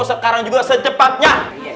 sekarang juga secepatnya